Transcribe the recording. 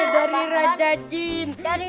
dari raja jin